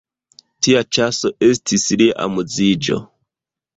Tia ĉaso estis lia amuziĝo.